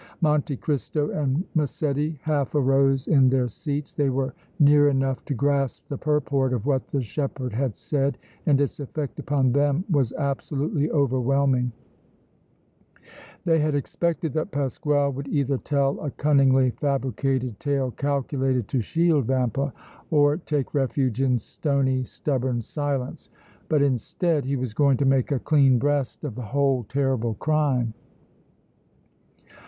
Monte Cristo and Massetti half arose in their seats; they were near enough to grasp the purport of what the shepherd had said and its effect upon them was absolutely overwhelming; they had expected that Pasquale would either tell a cunningly fabricated tale calculated to shield Vampa or take refuge in stony, stubborn silence, but instead he was going to make a clean breast of the whole terrible crime!